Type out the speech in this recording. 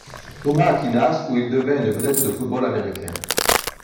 Thomas Aquinas où il devient une vedette de football américain.